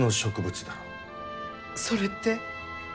それって。